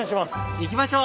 行きましょう！